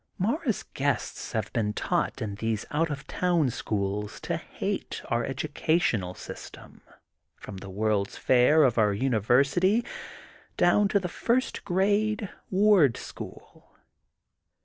Mara's guests have been taught in these out of town schools to hate our educational 250 THE GOLDEN BOOK OF SPRINGFIELD system from the World's Fair of our Univer sity down to the first grade, ward school.